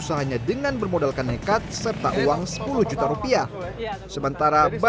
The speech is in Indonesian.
ada di produksi sana ya